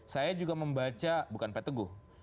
saya juga membaca bukan pak teguh